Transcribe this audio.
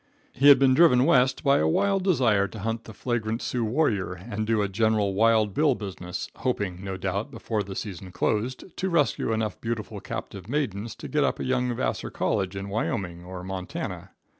He had been driven west by a wild desire to hunt the flagrant Sioux warrior, and do a general Wild Bill business; hoping, no doubt, before the season closed, to rescue enough beautiful captive maidens to get up a young Vassar College in Wyoming or Montana.